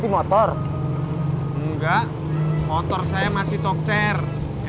temen saya mau jual motornya